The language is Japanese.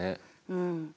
うん。